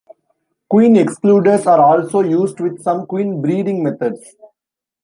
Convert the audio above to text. Queen excluders are also used with some queen breeding methods.